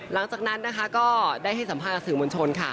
หลังจากนั้นนะคะก็ได้ให้สัมภาษณ์กับสื่อมวลชนค่ะ